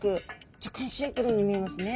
若干シンプルに見えますね。